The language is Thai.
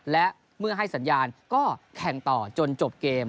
และเมื่อให้สัญญาณก็แข่งต่อจนจบเกม